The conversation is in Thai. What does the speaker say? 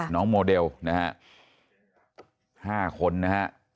โมเดลนะฮะ๕คนนะฮะ